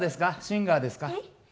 シンガーですか？